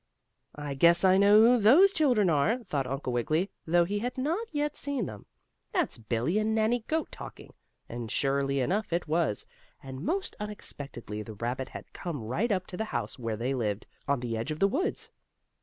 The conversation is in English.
"I guess I know who those children are," thought Uncle Wiggily, though he had not yet seen them. "That's Billie and Nannie Goat talking," and surely enough it was, and, most unexpectedly the rabbit had come right up to the house where they lived, on the edge of the woods.